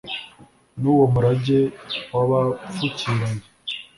N’uwo murage wabapfukiranye ,